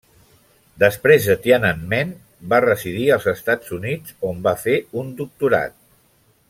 Després de Tiananmen va residir als Estats Units on va fer un doctorat.